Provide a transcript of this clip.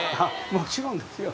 もちろんですよ。